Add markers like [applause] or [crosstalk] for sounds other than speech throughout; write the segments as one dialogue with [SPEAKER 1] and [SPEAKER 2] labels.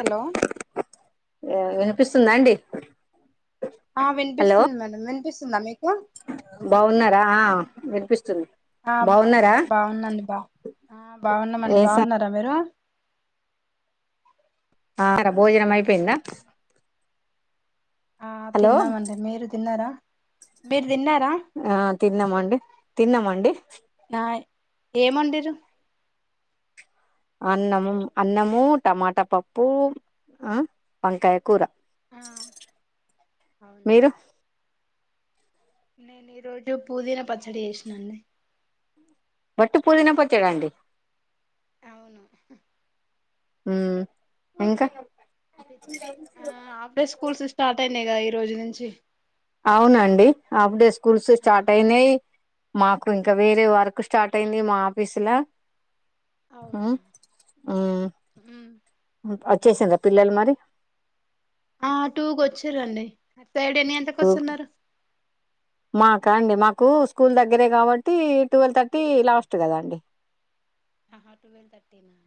[SPEAKER 1] Hello
[SPEAKER 2] వినిపిస్తుందా అండి
[SPEAKER 1] ఆ
[SPEAKER 2] హలో
[SPEAKER 1] వినిపిస్తుస్తంది మేడం వినిపిస్తుందా మీకు
[SPEAKER 2] బాగున్నారా వినిపిస్త
[SPEAKER 1] ఆా బాగుందండి బా ఆ బాగున్నామండి
[SPEAKER 2] ఏం సం
[SPEAKER 1] బాగున్నారా మీరు
[SPEAKER 2] ఆ భోజనం అయిపోయిందా
[SPEAKER 1] ఆ
[SPEAKER 2] హలో
[SPEAKER 1] తిన్నామండి మీరు తిన్నారా మీరు తిన్నారా
[SPEAKER 2] ఆ తిన్నామండి తిన్నామండి
[SPEAKER 1] ఏమండరు
[SPEAKER 2] అన్నము అన్నము టమాట పప్పు ఆ వంకాయ కూర
[SPEAKER 1] ఆ అవునా
[SPEAKER 2] మీరు
[SPEAKER 1] నేను ఈ రోజ పుదీన పచ్చడి చేసినాండి
[SPEAKER 2] వట్టి పూదిన పచ్చాడా అండి
[SPEAKER 1] అవును
[SPEAKER 2] ఉ ఇంకా
[SPEAKER 1] అప్పుడే స్కూల్స్ స్టార్ట్ తగా ఈ రోజు నుంచి
[SPEAKER 2] అవునండి హాఫ్ డే స్కూల్స్
[SPEAKER 1] ఆ
[SPEAKER 2] స్టార్ట్ అయినాయి మాకు ఇంకా వేరే వర్క్ స్టార్ట్ అయింది మా ఆఫీసులా
[SPEAKER 1] అవునా
[SPEAKER 2] ఉమ్
[SPEAKER 1] మ్మ్.
[SPEAKER 2] చేసాం పిల్లలు మరి
[SPEAKER 1] ఆ టూకు వచ్చారంండి
[SPEAKER 2] మాకా అండి మాకు మాకు స్కూల్ దగ్గరే కాబట్టి ట్వెల్వ్ థర్టీ లాస్ట్ కదా అండి
[SPEAKER 1] ఆహా ట్టువెల్వ్ థర్టీ నా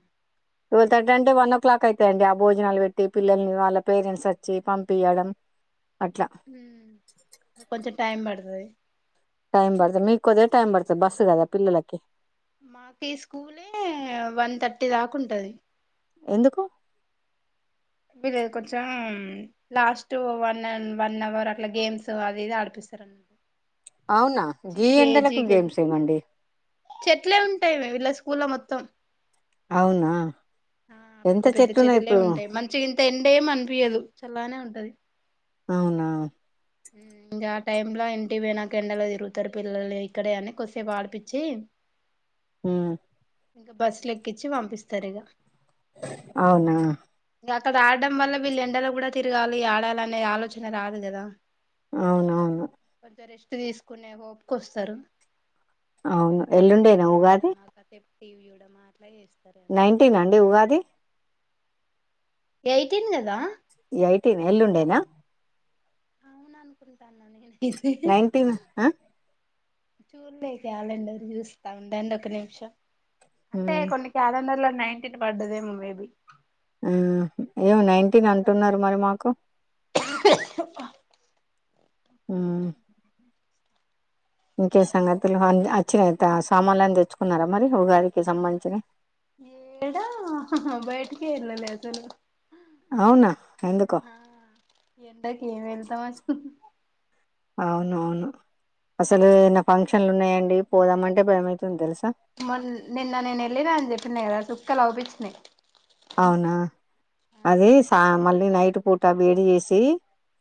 [SPEAKER 2] టువల్ థర్టీ అంటే వన్ ఓ క్లాక్ అయిత అండి ఆ భోజనాలు పెట్టి పిల్లల్ని వాళ్ళ పేరెంట్స్ వచ్చి పంపియడం అట్లా
[SPEAKER 1] హ్మ్మ్ కొంచెం టైమ్ పడుతు అై
[SPEAKER 2] టైం పడుతుంది మీకు కొదే టైం పడుతుంది బస్సు కదా పిల్లలకి
[SPEAKER 1] మాకు ఈ స్కూలే వన్ థర్టీ దాకా ఉంటది
[SPEAKER 2] ఎందుకు
[SPEAKER 1] వీళ్ళ కొంచెం లాస్ట్ వన్ వన్ అవర్ అట్లా గేమ్స్ అదిది ఆడిపిస్తారు అ
[SPEAKER 2] అవునా గీ ఎండలకు గేమ్స్ ఏమండి
[SPEAKER 1] టై ఇల్ స్కూల్ మొత్తం
[SPEAKER 2] అవునా!
[SPEAKER 1] ఆ
[SPEAKER 2] ఎంత
[SPEAKER 1] పెద్ద పెద్ద
[SPEAKER 2] చెట్లున్నాయి
[SPEAKER 1] చెట్లే
[SPEAKER 2] ఇప్పుడు.
[SPEAKER 1] ఉంటాయి మంచి ఇంత ఎండే అనిపిించదు చల్లానే ఉంటా అంటది
[SPEAKER 2] అవునా
[SPEAKER 1] ఇంకా ఆ టైమ్ లో ఇంటకి పోయినంక ఎండలో తిరుగుతారు పిల్లలు ఇక్కడే అని కొద్సేపు ఆడిపిచ్చి
[SPEAKER 2] హ్మ్మ్
[SPEAKER 1] ఇంకా బస్సు ల ఎక్కించి పంపిస్తారు ఇక
[SPEAKER 2] అవునా
[SPEAKER 1] ఇంకా అక్కడ ఆడడం వల్ల వీళ్ళ ఎండలు కూడా తిరగాలి ఆడాలనే ఆలోచన రాదు కదా
[SPEAKER 2] అవునవును
[SPEAKER 1] కొంచెం రెస్ట్ తీసుకునే ఓప్కొస్తారు
[SPEAKER 2] అవును ఎల్లుండేనా ఉగాది
[SPEAKER 1] టీవయ మాటలా చేస్తా
[SPEAKER 2] నైన్టీన్ అండి ఉగాది
[SPEAKER 1] ఎయిటీన్ కదా
[SPEAKER 2] ఈ యిటీనా ఎల్లుండేనా
[SPEAKER 1] అవును అనుకుంటా ననగ
[SPEAKER 2] నైన్టీన్
[SPEAKER 1] చూర్లే క ఆాలండ జూస్తా ఉండండి ఒక నిమిషం అంటే
[SPEAKER 2] హ్మ్.
[SPEAKER 1] కొన్ని క్యాలండర్ లో నై న్టీన్ పడ్డది ఏమో మే బి
[SPEAKER 2] ఆ అయ్యో నైన్టీన్ అంటున్నారు మరి మాకు ఇంకే సంగతులు వచ్చినయి సామాన్లు అని తెచ్చుకున్నారా మరి ఉగాదికి సంబంధించిన
[SPEAKER 1] ఏడా బయటికే వెళ్ళ లేదు అస్సలు
[SPEAKER 2] అవునా? ఎందుకో?
[SPEAKER 1] ఆ ఎండకి ఏమి వెళ్తాం అసలు
[SPEAKER 2] అవును అవును అసలు ఏన్న ఫంక్షన్లు ఉన్నాయండి పోదామంటే భయం అయితుంది తెలుసు
[SPEAKER 1] మ నిన్న నేను వె లే అ చెప్పన్నద కలావుబస్ న
[SPEAKER 2] అవునా అది సా మళ్ళీ నైట్ పూట వేడి చేసి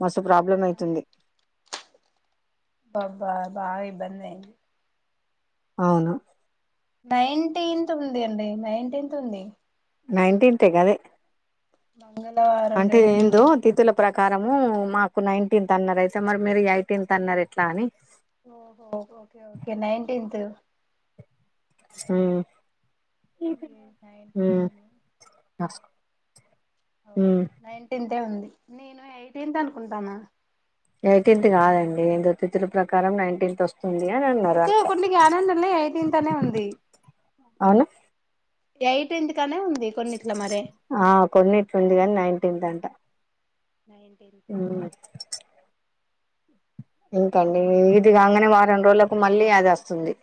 [SPEAKER 2] మసు
[SPEAKER 1] ఆ
[SPEAKER 2] ప్రాబ్లం అయితుంది
[SPEAKER 1] బాబా బాగా ఇబ్బంది
[SPEAKER 2] అవునా
[SPEAKER 1] నైన్టీన్త్ ఉంది అండి నైన్టీన్త్ ఉంది
[SPEAKER 2] నైన్టీన్త్ కద
[SPEAKER 1] బా
[SPEAKER 2] అంటే ఏందు తితుల ప్రకారము మాకు నైన్టీన్త్ అన్నారు అయితే మరి మీరు ఎయిటీన్త్ అన్నారు ఎట్లా అని
[SPEAKER 1] ఓహో ఓకే ఓకే నైన్టీన్త్ నైన్టీన్త్
[SPEAKER 2] ఆ స్
[SPEAKER 1] వును నైన్టీన్ అంతే ఉంది నేను ఎయిటీన్త్ అనుకుంటాను
[SPEAKER 2] ఎయిటీన్త్ కాదండి ఎంతో తితుల ప్రకారం నైన్టీన్త్ వస్తుంది అని అన్నారు
[SPEAKER 1] అయితే
[SPEAKER 2] అంట
[SPEAKER 1] కొన్ని గ్యలేందర్నే ఎయిటీన్తనే ఉంది.
[SPEAKER 2] అవునా
[SPEAKER 1] ఏయిటీంత్
[SPEAKER 2] ఆ కొన్నిట్లూంది కానీ నైన్టీన్త్ అం టా
[SPEAKER 1] నైన్టీన్త
[SPEAKER 2] ఇంకాండి ఇది కంగానే వ రెండ్రోలకు మళ్ళీ అదోస్తుంది.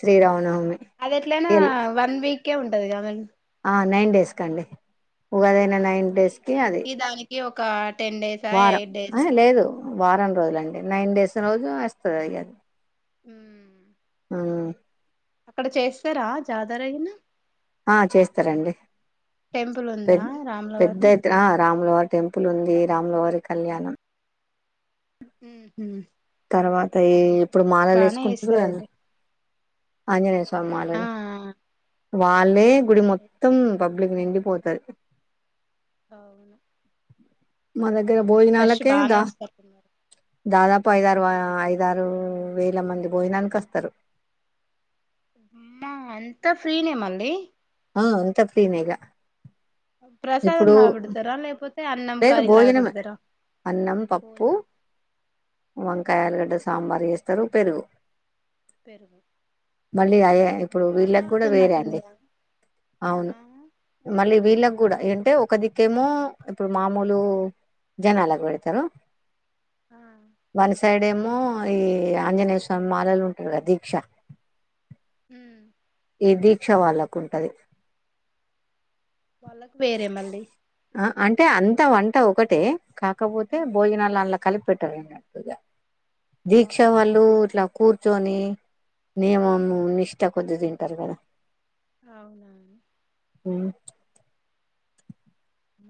[SPEAKER 2] శ్రీరామనవమి
[SPEAKER 1] అది ఎట్లనా
[SPEAKER 2] ఎల్
[SPEAKER 1] వన్ వీకే ఉంటది కాదండ్
[SPEAKER 2] స్కండి ఉగాదైన నైన్ డేస్కే అది
[SPEAKER 1] కా
[SPEAKER 2] వారం ఆ హే లేదు వారం రోజుల అండి. నైన్ డేస్ రోజు వస్తదిగా అది
[SPEAKER 1] ఉమ్మ్
[SPEAKER 2] ఉహ్
[SPEAKER 1] అక్కడ చేస్తారా జాతరాగిన
[SPEAKER 2] ఆ చేస్తారండి.
[SPEAKER 1] టెంపుల్ ఉందా
[SPEAKER 2] పెద్ పెద్ద
[SPEAKER 1] రాములవారి
[SPEAKER 2] ఎత్తున రాములవార్ టెంపుల్ ఉంది రామ్లవారి కళ్యాణం.
[SPEAKER 1] ఉమ్
[SPEAKER 2] తర్వాత ఈ ఇప్పుడు
[SPEAKER 1] బానే
[SPEAKER 2] మాలలేసుకుంటురు
[SPEAKER 1] చేస్తారు
[SPEAKER 2] గదండి.
[SPEAKER 1] అయితే
[SPEAKER 2] ఆంజనేయా స్వామీ
[SPEAKER 1] ఆ
[SPEAKER 2] మాళలు వాళ్లే గుడి మొత్తం పబ్లిక్ నిండిపోతారు
[SPEAKER 1] అవును
[SPEAKER 2] మనద్ ట్ ఇగ
[SPEAKER 1] రష్
[SPEAKER 2] భోయనాలకే
[SPEAKER 1] బానే
[SPEAKER 2] దా
[SPEAKER 1] వస్తారున్నారు
[SPEAKER 2] దాదాపు ఐదారు వ ఐదారు వేల మంది భోజనానికోస్తారు.
[SPEAKER 1] మ్మ అంతా ఫ్రీనే మళ్ళీ
[SPEAKER 2] ఆ అంతా ఫ్రీనేగా
[SPEAKER 1] ప్రసాదంలా బెడతారా లేపోతే అన్నం,
[SPEAKER 2] లేదు
[SPEAKER 1] కర్రీలా
[SPEAKER 2] భోజనమే
[SPEAKER 1] బెడతారా భోజనం
[SPEAKER 2] వంకాయలుగడ్డ, సాంబార్ ఏస్తారు పెరుగు.
[SPEAKER 1] పెరుగు
[SPEAKER 2] మళ్ళీ అ ఇప్పుడు
[SPEAKER 1] బానే
[SPEAKER 2] వీళ్ళకి కూడా వేరే
[SPEAKER 1] అవుతున్నట్టుంది
[SPEAKER 2] అండి.
[SPEAKER 1] కదా
[SPEAKER 2] అవును
[SPEAKER 1] ఆ
[SPEAKER 2] మళ్ళీ వీళ్ళక్ కూడా ఏంటే ఒక దిక్కేమో ఇప్పుడు మామూలు జనాలగ్ పెడతారు.
[SPEAKER 1] ఆ
[SPEAKER 2] వన్ సైడ్ ఏమో మో ఈ ఆంజనేయ స్వామి మాలలు ఉంటారు గదా దీక్ష
[SPEAKER 1] ఉమ్
[SPEAKER 2] ఈ దీక్ష వాళ్ళకు ఉంటది
[SPEAKER 1] వాళ్ళకు వేరే మళ్ళీ
[SPEAKER 2] ఆ అంటే అంత వంట ఒకటే కాకపోతే
[SPEAKER 1] ఆ
[SPEAKER 2] భోజనాలు అందులో కలిపి పెట్టరన్నట్లుగా
[SPEAKER 1] ఆ
[SPEAKER 2] దీక్ష వాళ్ళు ఇట్ల కూర్చొని నియమము నిష్ట కొద్ది దిన్ టారు గదా
[SPEAKER 1] అవున
[SPEAKER 2] అ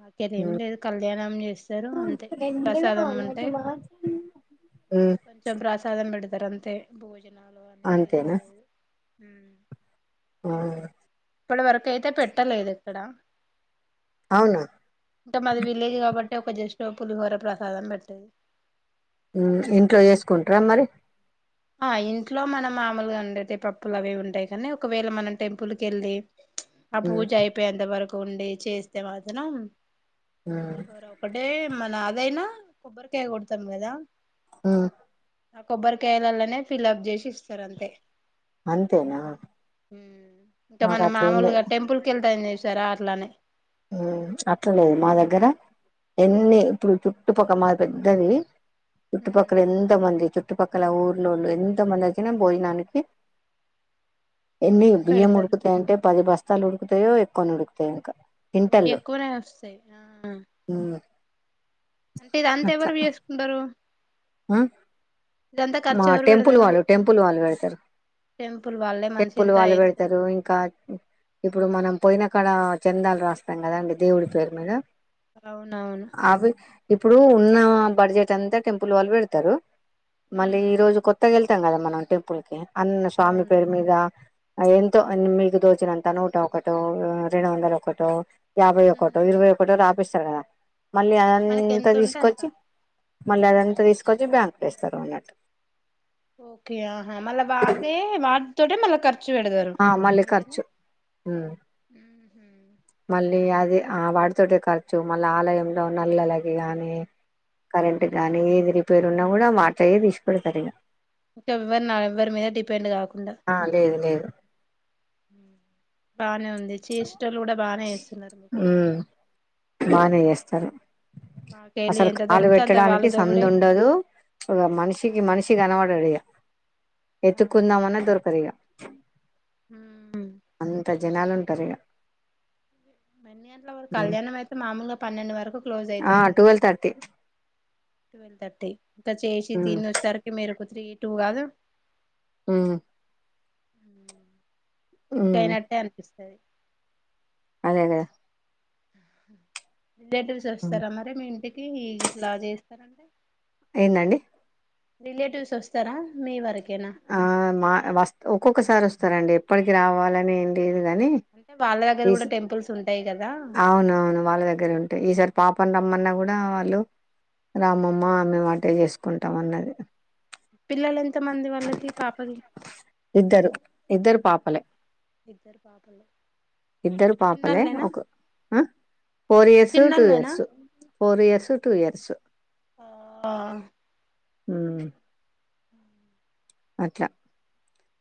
[SPEAKER 1] నాకైతే ఏం లేదు కళ్యాణ్ నం జేస్ ఇస్తారు అంతే
[SPEAKER 2] రెండు
[SPEAKER 1] ప్రసాదం
[SPEAKER 2] కావాలి
[SPEAKER 1] అంటే
[SPEAKER 2] నాకు మాత్రం హ్మ్.
[SPEAKER 1] కొంచెం ప్రసాదం బెడు తారు అంతే భోజనాలు
[SPEAKER 2] అంతేనా
[SPEAKER 1] హ
[SPEAKER 2] ఆ
[SPEAKER 1] ఇప్పడి వరకు అయితే పెట్టలేదు ఎక్కడ
[SPEAKER 2] అవునా?
[SPEAKER 1] ఇంకా మాది విలేజ్ కాబట్ అంటే ఒక జస్ట్ పులిహోర ప్రసాదం బెట్టెది
[SPEAKER 2] ఉ ఇంట్లో జేసుకుంటార మరి
[SPEAKER 1] ఆ ఇంట్లో మనం మామలుగా ఉండేది పప్పులు అవి ఇవి ఉంటాయి కానీ ఒకవేళ మనం టెంపుల్ కెళ్ళి ఆ
[SPEAKER 2] హ్మ్.
[SPEAKER 1] పూజ అయిపోయే అంతవరకు ఉండి చేస్తే మాత్తనం
[SPEAKER 2] హ్మ్.
[SPEAKER 1] పులిహోర ఒకటే మం నాదైనా కొబ్బరికాయ కొడతాం గదా
[SPEAKER 2] ఆ
[SPEAKER 1] ఆ కొబ్బరికియాల నే ఫిలబ్ జేసి ఇస్తారు అంతె
[SPEAKER 2] అంతేనా?
[SPEAKER 1] మ్ ఇంక
[SPEAKER 2] మాకు
[SPEAKER 1] మనం
[SPEAKER 2] అట్లేం
[SPEAKER 1] మామూలుగా
[SPEAKER 2] లేదు.
[SPEAKER 1] టెంపుల్ కేళ్తాం చరా అట్లానే
[SPEAKER 2] ఆ అట్లాలేదు మా దగ్గర ఎన్ని ఇప్పుడు చుట్టుపక్క మాది పెద్దది చుట్టుపక్కల ఎంత మంది చుట్ చుట్టుపక్కల ఊర్లోళ్ళు ఎంత మంది వచ్చినా భోజనానికి ఎన్ని బియ్యం
[SPEAKER 1] పెడతారు
[SPEAKER 2] ఉడుకుతాయంటే పది బస్తాలు ఉడు కుతాయో ఎక్కువ అన్ని ఉడుకుతాయో ఇంక
[SPEAKER 1] ఓ ఎక్కువనే వస్తాయి నా
[SPEAKER 2] ఉమ్
[SPEAKER 1] అంటే ఇది అంతా
[SPEAKER 2] అట్లా
[SPEAKER 1] ఎవరు ఏసుకుంటారు
[SPEAKER 2] ఆ మా
[SPEAKER 1] ఖర్చు ఎవరు
[SPEAKER 2] టెంపుల్
[SPEAKER 1] పెడతారు
[SPEAKER 2] వాళ్ళు టెంపుల్ వాళ్ళు పెడతారు
[SPEAKER 1] టెంపుల్ వాళ్ళే మనిషి
[SPEAKER 2] టెంపుల్
[SPEAKER 1] ఇంత
[SPEAKER 2] వాళ్ళు
[SPEAKER 1] వేసుకొని
[SPEAKER 2] పెడతారు
[SPEAKER 1] పెట్
[SPEAKER 2] ఇంకా ఇప్పుడు మనం పోయినకాడ చందాలు రాస్తాం కదా అండి దేవుడి పేరు మీద
[SPEAKER 1] అవునవును
[SPEAKER 2] అవి ఇప్పుడు ఉన్న బడ్జెట్ అంతా టెంపుల్ వాళ్ళు పెడతారు మళ్ళీ ఈ రోజు కొత్తగలి కద మనం టెంపుల్ కి అన్నీ స్వామి
[SPEAKER 1] అవును
[SPEAKER 2] పేరు మీద ఎంతో మీకు తోచినంత నూట ఒకటో రెండు వందలోకటో యాభై ఒకటో ఇరవై ఒకటో రాత్ ఇస్తరు కదా మళ్ళీ
[SPEAKER 1] మనకి
[SPEAKER 2] అదంతా
[SPEAKER 1] ఎంత ఉంటే అంత
[SPEAKER 2] తీసుకొచ్చి మళ్ళీ అదంతా తీసుకొచ్చి బ్యాంక్ లో వేస్తారు అన్నట్
[SPEAKER 1] ఓకే ఆహా మళ్ళ వా అదే వా తోటే మల్ల కర్ చ్ పెడతారు
[SPEAKER 2] ఆ మళ్ళీ
[SPEAKER 1] అంతేనా
[SPEAKER 2] ఖర్చు ఉమ్,
[SPEAKER 1] హ
[SPEAKER 2] మళ్ళీ అది ఆ వాడితోే ఖర్చు మళ్ళా ఆలయంలో నల్లలాకి కాని కరెంట్ గానీ ఏ రివ్ పేరున్న గూడ మాటయ్యే తీస్ పెడ్తాదిగా
[SPEAKER 1] ఎవ్వరు నా ఎవ్వరి మీద డిపెండ్ గాకు
[SPEAKER 2] ఆ లేదు లేదు
[SPEAKER 1] ఉమ్ బానే ఉంది చేసేటోలుగూడ బానే చేస్తున్నారు మిక్కలి
[SPEAKER 2] సరే అసలు కాళ్ళు
[SPEAKER 1] దొరికితే అంత వాళ్ళ
[SPEAKER 2] పెట్టడానికి సందు
[SPEAKER 1] జోబుడే
[SPEAKER 2] ఉండదు ఇక మనిషికి మనిషి కనపడడిగా ఎత్తుకుందామన్న దొరకదిగా [inaudible]
[SPEAKER 1] ఉమ్
[SPEAKER 2] జనాలు ఉంటరిగా
[SPEAKER 1] ఎన్ని గంటల వరకు కళ్యాణం అయితే మామూలుగా పన్నెండు వరకు క్లోజ్
[SPEAKER 2] ఆ
[SPEAKER 1] అయితది కదా
[SPEAKER 2] ట్వెల్వ్ థర్టీ
[SPEAKER 1] ట్వెల్వ్ తర్టీ ఇక చేసి తిని వచ్చేసరికి మీరు త్రీ టూ కాదు
[SPEAKER 2] మ్
[SPEAKER 1] ఉమ్ సెట్ అయినట్టే అనిపిస్తది
[SPEAKER 2] అదేగదా
[SPEAKER 1] [inaudible] రిలేటివ్స్ వోస్తార మరి మీ ఇంటి కి ఇట్లా చేస్తారంటే
[SPEAKER 2] ఏదండి
[SPEAKER 1] రిలేటివ్స్ వస్తర మీ వరక
[SPEAKER 2] ఆ మా వస్తు ఒక్కొక్కసారి వస్ సారండి ఎప్పటికి రావలని ఏంలేదు
[SPEAKER 1] అంటే వాళ్ళ దగ్గర కూడ టెంపుల్స్ ఉ ఉంటాయ్ గదా
[SPEAKER 2] అవును అవును వాళ్ళు దగ్గర ఉంటయి ఈసారి పాప రమ్మన్న కూడ వాళ్ళు రామ్మమ్మ మేమువంటె చేసుకుంటాం అన్నది
[SPEAKER 1] పిల్లల ఎ
[SPEAKER 2] ఇద్దరు ఇద్దరు పాపలే
[SPEAKER 1] ఇద్దరు పాపలు
[SPEAKER 2] ఇద్దరు పాపలే
[SPEAKER 1] చిన్నోళ్ళేనా
[SPEAKER 2] ఒక ఆ ఫోర్ ఇయర్స్ టూ
[SPEAKER 1] చిన్నోళ్ళేనా
[SPEAKER 2] years four years two years
[SPEAKER 1] ఆఆ
[SPEAKER 2] ఉమ్
[SPEAKER 1] హమ్
[SPEAKER 2] అట్లా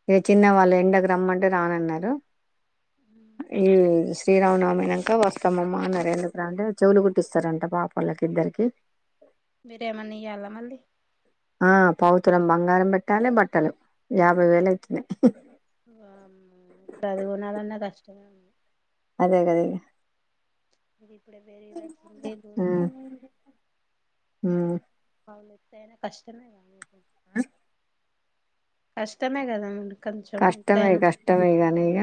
[SPEAKER 2] ఇక చిన్న వాళ్ళు ఎండకు రమ్మ అంటే రానన్నారు ఈ శ్రీరామనమినక వస్తామమ్మ అన్నారు ఎండకు రా అంటే చెవులు కుట్టిస్తారంట పాప వాళ్ళకి ఇద్దరికి
[SPEAKER 1] మీరేమన్నా ఇయ్యాలా మళ్ళీ
[SPEAKER 2] ఆ పావుతులం బంగారం పెట్టాలి బట్టలు యాభై వేలు అవుతున్నాయి
[SPEAKER 1] వామ్మో ఇప్పుడు అదిన్నాళన్న కష్టం
[SPEAKER 2] అదేగాదిగా
[SPEAKER 1] ఇపుడు వేరే [inaudible]
[SPEAKER 2] హ్మ్
[SPEAKER 1] పావులేతాయిన కష్టమే
[SPEAKER 2] ఆ
[SPEAKER 1] కష్టమే కదా మరి
[SPEAKER 2] కష్టమే కష్టమే కానీ ఇక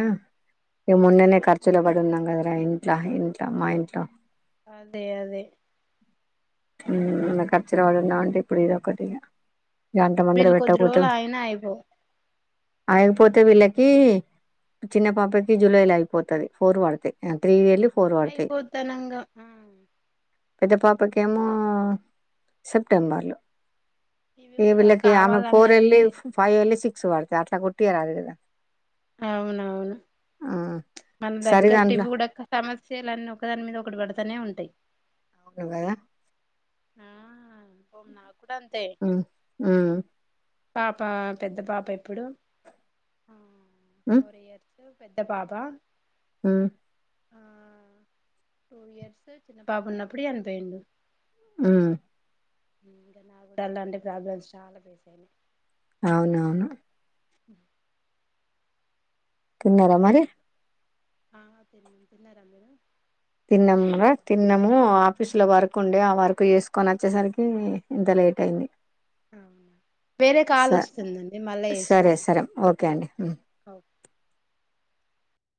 [SPEAKER 2] ఇ మొన్ననే ఖర్చులో పడి ఉన్నాం కదరా ఇంట్ల ఇంట్ల మా ఇంట్లో
[SPEAKER 1] అదే అదే
[SPEAKER 2] మన్న ఖర్చులు వాడుందా ఉంటే ఇప్పుడు ఇది ఒకటిగా
[SPEAKER 1] వీళ్ళు కొద్ది రోజులు ఆయన అయిపో
[SPEAKER 2] ఆగిపోతే వీళ్ళకి చిన్న పాపకి జూలైలో అయిపోతుది ఫోర్ పడితే త్రీ వెళ్ళి ఫోర్ పడతాయి
[SPEAKER 1] అయిపోతానంగా ఉమ్
[SPEAKER 2] పెద్ద పాపకి కేమో సెప్టెంబర్ లో
[SPEAKER 1] ఇవి
[SPEAKER 2] ఏ
[SPEAKER 1] కూడా
[SPEAKER 2] వేళకి ఆమెకు ఫోర్ ఎల్లీ
[SPEAKER 1] కావాలన్నట్టే
[SPEAKER 2] ఫైవ్ ఎల్లీ సిక్స్ మక్సు పడితే అట్లా కుట్టటిరాదు కదా
[SPEAKER 1] అవునవును
[SPEAKER 2] ఆ
[SPEAKER 1] మన
[SPEAKER 2] సరే
[SPEAKER 1] దగ్గట్టివి
[SPEAKER 2] దాంట్లో
[SPEAKER 1] కూడా సమస్యలున్నీ ఒకదాని మీద ఒకటి పెడతనే ఉంటాయి తై
[SPEAKER 2] అవు కాదా
[SPEAKER 1] ఆ బ నాక్
[SPEAKER 2] హ్మ్ హ్మ్
[SPEAKER 1] పాప పెద్ద పాప ఎప్పుడు ఫోర్ ఇయర్స్ పెద్ద పాప
[SPEAKER 2] హ్మ్
[SPEAKER 1] హ్మ్ టూ ఇయర్స్ చిన్న పాప ఉన్నప్పుడు చనిపోయిండు
[SPEAKER 2] హ్మ్
[SPEAKER 1] ఇంకా నా కూడా అలాంటి ప్రాబ్లమ్స్ చాలా ఫేస్ అయినాయి
[SPEAKER 2] అవునవును
[SPEAKER 1] అ
[SPEAKER 2] తిన్నారా మరి
[SPEAKER 1] ఆ తిన్నాం తిన్నారా మీరు
[SPEAKER 2] తిన్నాము తిన్నాము ఆఫీసు లో వర్క్ ఉండే ఆ వర్క్ చేసుకొని వచ్చేసరికి ఇంత లేట్ అయింది
[SPEAKER 1] వేరే
[SPEAKER 2] స
[SPEAKER 1] కాలు వస్తుందండి మళ్ళా చేస్తా
[SPEAKER 2] కాని హ్మ్
[SPEAKER 1] ఓ